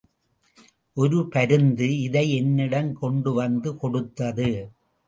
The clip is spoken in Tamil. ஒரு பருந்து இதை என்னிடம் கொண்டு வந்து கொடுத்தது.